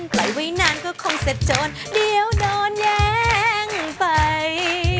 ปล่อยไว้นานก็คงเสร็จจนเดี๋ยวโดนแย้งไป